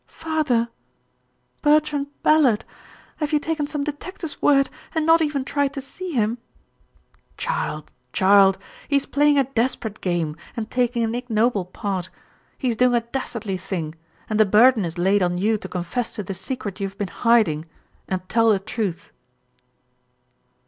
"Father Bertrand Ballard! Have you taken some detective's word and not even tried to see him?" "Child, child! He is playing a desperate game, and taking an ignoble part. He is doing a dastardly thing, and the burden is laid on you to confess to the secret you have been hiding and tell the truth."